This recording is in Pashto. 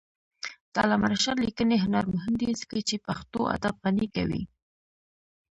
د علامه رشاد لیکنی هنر مهم دی ځکه چې پښتو ادب غني کوي.